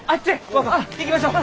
若行きましょう！